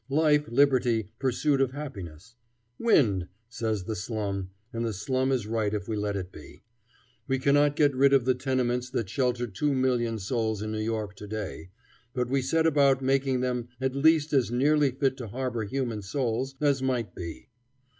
Life, liberty, pursuit of happiness? Wind! says the slum, and the slum is right if we let it be. We cannot get rid of the tenements that shelter two million souls in New York to day, but we set about making them at least as nearly fit to harbor human souls as might be.